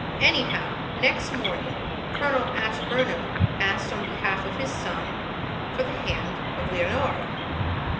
Anyhow, next morning Colonel Ashburnham asked on behalf of his son for the hand of Leonora.